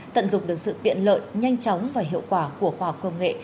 tận dụng được sự tiện lợi nhanh chóng và hiệu quả của quả công nghệ